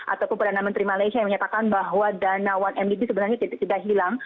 ataupun perdana menteri malaysia yang menyatakan bahwa dana satu mdb sebenarnya tidak hilang